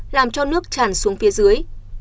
làm cho nước tràn xuống phía dưới